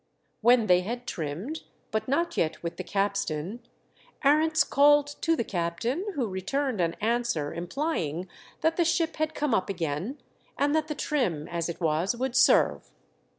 When they had trimmed, but not yet with the capstan, Arents called to the captain, who returned an answer implying that the ship had come up again, and that the trim as it was would serve.